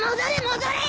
戻れ！